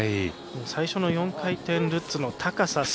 最初の４回転ルッツの高さ。